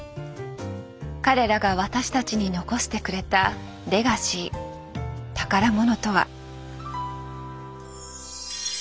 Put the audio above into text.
彼らが私たちに残してくれたレガシー宝物とは。